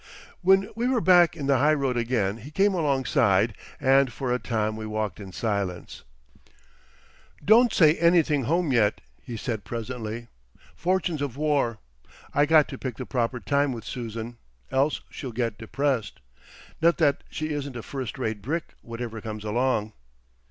When we were back in the high road again he came alongside, and for a time we walked in silence. "Don't say anything home yet," he said presently. "Fortunes of War. I got to pick the proper time with Susan—else she'll get depressed. Not that she isn't a first rate brick whatever comes along."